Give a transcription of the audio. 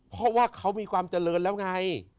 เพราะว่าเขามีความเจริญแล้วไง